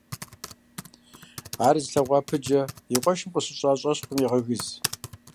Ар зылъэгъуа Пыджэ и къуэшым къыщыщӀа щӀэщхъум егъэгыз.